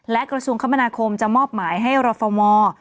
และกระทรวงคมนาคมจะมอบหมายให้รฟมอร์